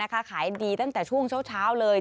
ขายดีตั้งแต่ช่วงเช้าเลย